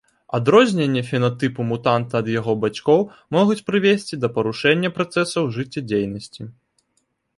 Адрозненні фенатыпу мутанта ад яго бацькоў могуць прывесці да парушэння працэсаў жыццядзейнасці.